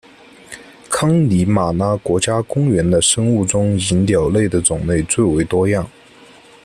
康尼玛拉国家公园的生物中以鸟类的种类最为多样。